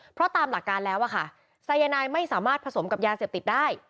เพราะตามหลักการแล้วอะค่ะสายนายไม่สามารถผสมกับยาเสพติดได้